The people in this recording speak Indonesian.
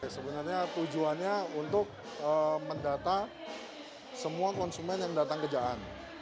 sebenarnya tujuannya untuk mendata semua konsumen yang datang ke jaan